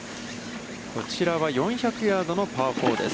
こちらは４００ヤードのパー４です。